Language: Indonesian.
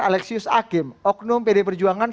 alexius hakim oknum pd perjuangan